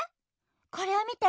これをみて。